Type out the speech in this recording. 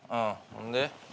ほんで？